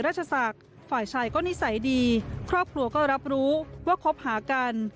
ราชศักดิ์ฝ่ายชายก็นิสัยดีครอบครัวก็รับรู้ว่าคบหากัน